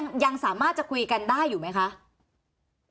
ยังสามารถจะคุยกันได้อยู่ไหมคะ